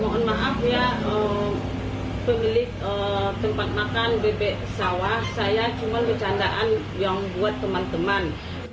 mohon maaf ya pemilik tempat makan bebek sawah saya cuma bercandaan yang buat teman teman